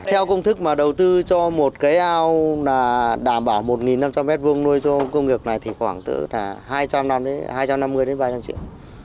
theo công thức mà đầu tư cho một cái ao là đảm bảo một năm trăm linh m hai nuôi tôm công nghiệp này thì khoảng tự là hai trăm năm mươi ba trăm linh triệu